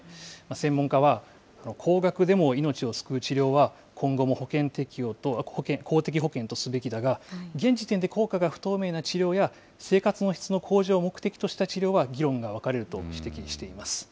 専門家は高額でも命を救う治療は今後も公的保険とすべきだが、現時点で効果が不透明な治療や生活の向上を目的とした治療は議論が分かれると指摘しています。